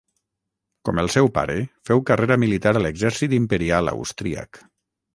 Com el seu pare, féu carrera militar a l'exèrcit imperial austríac.